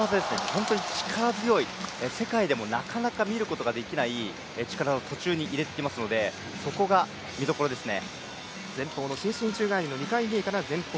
本当に力強い世界でもなかなか見ることができない力技を途中で入れてきますのでそこが見どころですね。